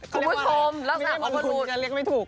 เขาเรียกว่าอะไรไม่ได้บอกฟันรูนก็เรียกไม่ถูกคุณผู้ชมแล้วสำหรับคุณ